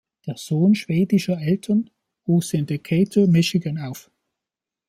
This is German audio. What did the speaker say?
Der Sohn schwedischer Eltern wuchs in Decatur, Michigan auf.